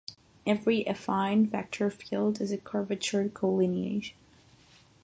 Every affine vector field is a curvature collineation.